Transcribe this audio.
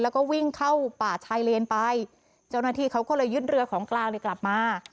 แล้วก็วิ่งเข้าป่าชายเลนไปเจ้าหน้าที่เขาก็เลยยึดเรือของกลางเนี่ยกลับมา